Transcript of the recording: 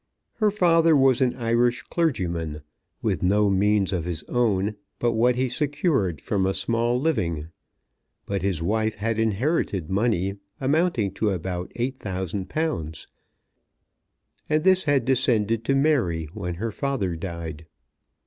Her father was an Irish clergyman with no means of his own but what he secured from a small living; but his wife had inherited money amounting to about eight thousand pounds, and this had descended to Mary when her father died.